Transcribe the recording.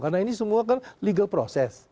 karena ini semua kan legal process